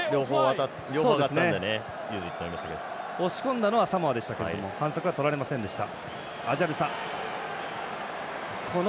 押し込んだのはサモアでしたけども反則はとられませんでした。